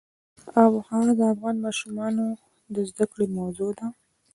آب وهوا د افغان ماشومانو د زده کړې موضوع ده.